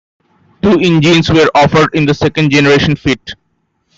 Two engines were offered in the second generation Fit.